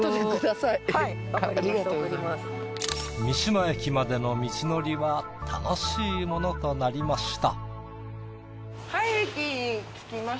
三島駅までの道のりは楽しいものとなりました。